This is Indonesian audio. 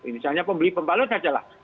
misalnya pembeli pembalut sajalah